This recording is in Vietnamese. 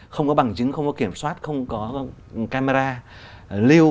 không có bằng chứng không có kiểm soát không có camera lưu